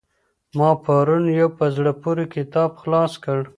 ما پرون يو په زړه پوري کتاب خلاص کړ.